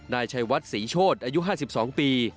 นายชัยวัดศรีโชธอายุ๕๒ปี